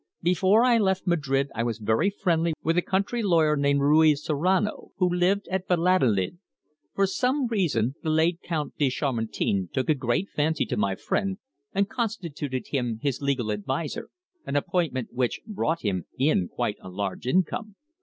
Before I left Madrid I was very friendly with a country lawyer named Ruiz Serrano, who lived at Valladolid. For some reason the late Count de Chamartin took a great fancy to my friend, and constituted him his legal adviser, an appointment which brought him in quite a large income.